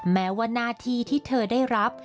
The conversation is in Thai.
แม้ว่าหน้าที่ที่เธอได้รับ